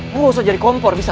gue nggak usah jadi kompor bisa